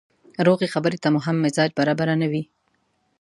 روغې خبرې ته مو هم مزاج برابره نه وي.